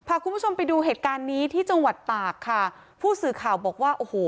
พาคุณผู้ชมไปดูเหตุการณ์นี้ที่จังหวัดตากค่ะผู้สื่อข่าวบอกว่าโอ้โห